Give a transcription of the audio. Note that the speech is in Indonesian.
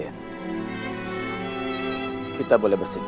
diversity berjuang lebihiendar